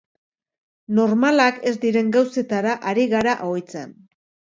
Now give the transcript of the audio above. Normalak ez diren gauzetara ari gara ohitzen.